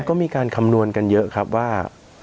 ก็มีการคำนวณกันเยอะครับว่า